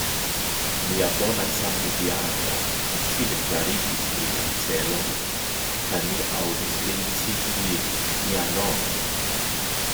Nia bona samideano facile klarigis ilian celon; kaj mi aŭdis lin citi vian nomon.